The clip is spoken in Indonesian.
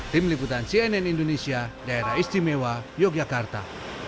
tim liputan cnn indonesia daerah istimewa yogyakarta